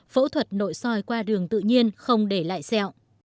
phẫu thuật nội soi qua đường tự nhiên không để lại sẹo